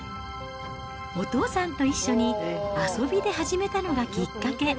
お父さんと一緒に、遊びで始めたのがきっかけ。